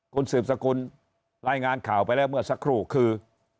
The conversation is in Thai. คุณสืบสกุลรายงานข่าวไปแล้วเมื่อสักครู่คือ